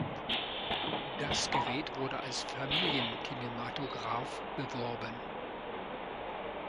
Das Gerät wurde als „Familien-Kinematograph“ beworben.